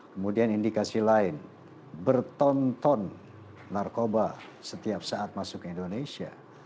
kemudian indikasi lain bertonton narkoba setiap saat masuk ke indonesia